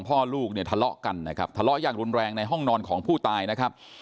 พ่อลูกเนี่ยทะเลาะกันนะครับทะเลาะอย่างรุนแรงในห้องนอนของผู้ตายนะครับ